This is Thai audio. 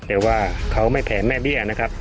แต่ว่าเขาไม่แผ่แม่เบี้ยนะครับ